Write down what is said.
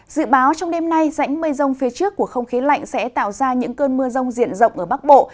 dự báo trong đêm nay rãnh mây rông phía trước của không khí lạnh sẽ tạo ra những cơn mưa rông diện rộng ở bắc bộ